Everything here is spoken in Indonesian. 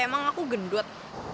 emang aku gedot